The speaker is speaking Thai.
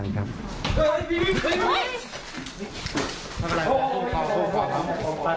เฮ้ยบีบีบีบี